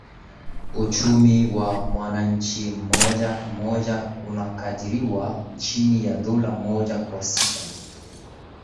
Uchumi wa mwananchi mmoja mmoja unakadiriwa chini ya dola moja kwa siku